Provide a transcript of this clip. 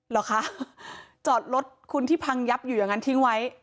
เหรอคะจอดรถคุณที่พังยับอยู่อย่างนั้นทิ้งไว้